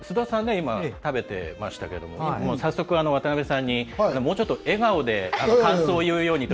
今、食べていましたけれども早速、渡辺さんにもうちょっと、笑顔で感想を言うようにと。